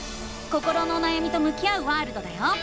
心のおなやみと向き合うワールドだよ！